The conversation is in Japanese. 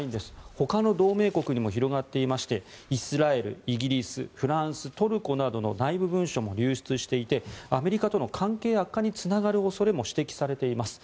ほかの同盟国にも広がっていましてイスラエル、イギリスフランス、トルコなどの内部文書も流出していてアメリカとの関係悪化につながる恐れも指摘されています。